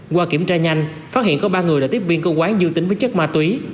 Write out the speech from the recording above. qua kiểm tra nhanh phát hiện có ba người đã tiếp viên cơ quán dương tính với chất ma túy